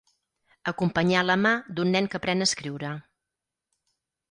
Acompanyar la mà d'un nen que aprèn a escriure.